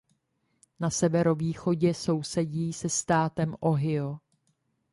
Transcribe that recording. Na severovýchodě sousedí se státem Ohio.